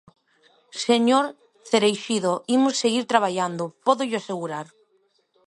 Señor Cereixido, imos seguir traballando, pódollo asegurar.